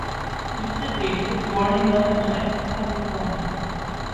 Mistysyn was born in Los Angeles, California.